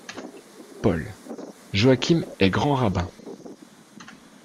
PAUL : Joachim est grand rabbin.